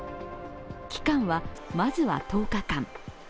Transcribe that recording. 期間は、まずは１０日間。